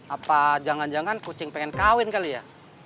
apa jangan jangan kucing pengen kawin kali ya